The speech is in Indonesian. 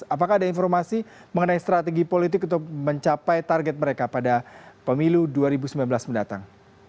apakah ada informasi mengenai strategi politik untuk mencapai target mereka pada pemilu dua ribu sembilan belas mendatang